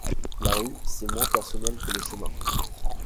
La rue c’est moins personnel que le chemin.